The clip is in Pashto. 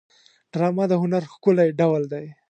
ډرامه د هنر ښکلی ډول دی